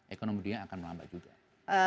ekonominya akan melambat juga